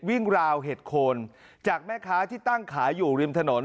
ราวเห็ดโคนจากแม่ค้าที่ตั้งขายอยู่ริมถนน